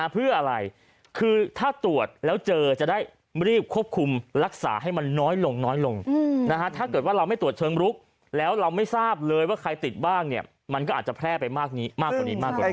เพื่ออะไรคือถ้าตรวจแล้วเจอจะได้รีบควบคุมรักษาให้มันน้อยลงน้อยลงถ้าเกิดว่าเราไม่ตรวจเชิงรุกแล้วเราไม่ทราบเลยว่าใครติดบ้างเนี่ยมันก็อาจจะแพร่ไปมากกว่านี้มากกว่านี้